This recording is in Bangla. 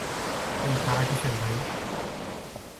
এই তাড়া কিসের, ভাই?